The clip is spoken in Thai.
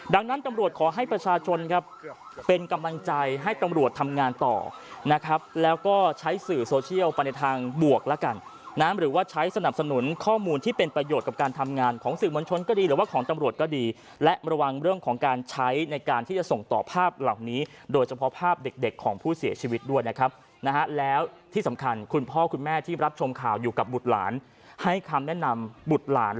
ดังนั้นตำรวจขอให้ประชาชนครับเป็นกำลังใจให้ตำรวจทำงานต่อนะครับแล้วก็ใช้สื่อโซเชียลประเด็นทางบวกแล้วกันนะหรือว่าใช้สนับสนุนข้อมูลที่เป็นประโยชน์กับการทำงานของสื่อมณชนก็ดีหรือว่าของตำรวจก็ดีและระวังเรื่องของการใช้ในการที่จะส่งต่อภาพเหล่านี้โดยเฉพาะภาพเด็กของผู้เสียชีวิต